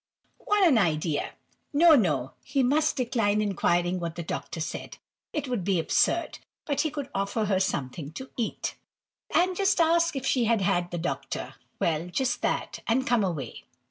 What an idea! No, no; he must decline inquiring what the Doctor said; it would be absurd; but he could offer her something to eat. —And just ask if she had had the Doctor.—Well, just that, and come away.